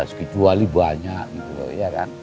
sekicuali banyak gitu ya kan